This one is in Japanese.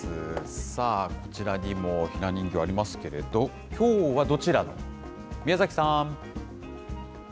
さあ、こちらにもひな人形ありますけれども、きょうはどちら、宮崎さん。